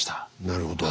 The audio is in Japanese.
なるほど。